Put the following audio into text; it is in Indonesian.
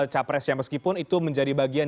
capres yang meskipun itu menjadi bagian